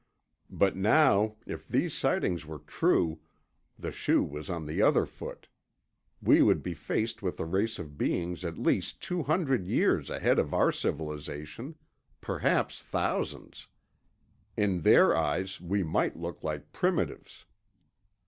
But now, if these sightings were true, the shoe was on the other foot. We would be faced with a race of beings at least two hundred years ahead of our civilization—perhaps thousands. In their eyes, we might look like primitives.